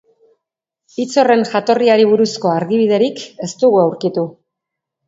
Hitz horren jatorriari buruzko argibiderik ez dugu aurkitu.